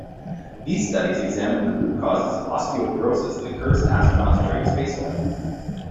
These studies examined the root causes of osteoporosis that occurs in astronauts during spaceflight.